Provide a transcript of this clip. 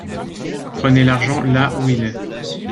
Prenez l’argent là où il est